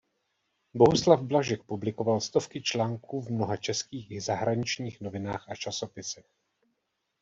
Bohuslav Blažek publikoval stovky článků v mnoha českých i zahraničních novinách a časopisech.